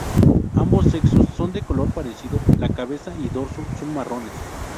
Ambos sexos son de color parecido, la cabeza y dorso son marrones.